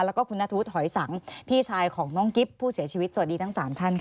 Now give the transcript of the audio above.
แล้วก็คุณนัทธวุฒิหอยสังพี่ชายของน้องกิ๊บผู้เสียชีวิตสวัสดีทั้ง๓ท่านค่ะ